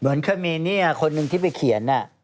ก็มีเนี่ยคนหนึ่งที่ไปเขียน